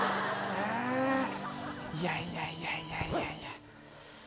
いやいやいやいやいや。